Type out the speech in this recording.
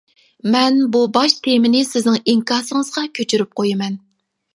مەن بۇ باش تېمىنى سىزنىڭ ئىنكاسىڭىزغا كۆچۈرۈپ قويىمەن.